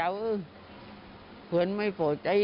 และแดงเจ้าน่ะ